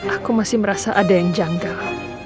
aku masih merasa ada yang janggal